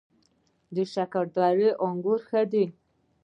د شکردرې انګور ښه دي